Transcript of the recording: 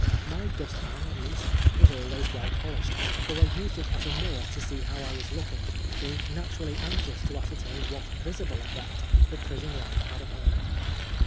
My dust pan, at least, was always well polished, for I used it as a mirror to see how I was looking, being naturally anxious to ascertain what visible effect the prison life had upon me.